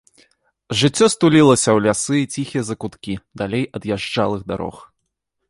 Жыццё стулілася ў лясы і ціхія закуткі, далей ад язджалых дарог.